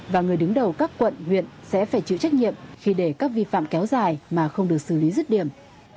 và người đứng đầu các quận huyện sẽ phải chịu trách nhiệm khi để các vi phạm kéo dài mà không được xử lý rứt điểm